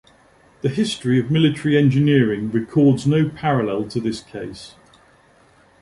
The history of military engineering records no parallel to this case.